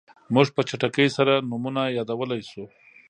موږ په چټکۍ سره نومونه یادولی شو.